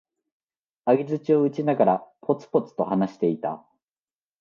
相づちを打ちながら、ぽつぽつと話していた。